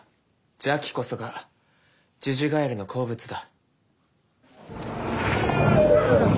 邪気こそが呪々ガエルの好物だ。